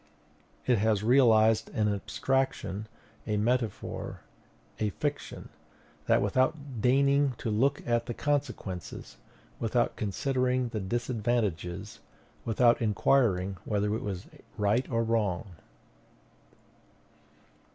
It has realized an abstraction, a metaphor, a fiction; and that without deigning to look at the consequences, without considering the disadvantages, without inquiring whether it was right or wrong.